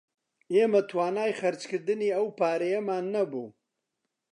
ئێمە توانای خەرچکردنی ئەو پارەیەمان نەبوو